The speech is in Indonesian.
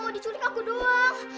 kalo diculik aku doang